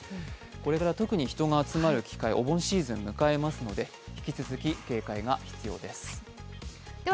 これから特に人が集まる機会、お盆シーズンを迎えますので、引き続き警戒が必要です。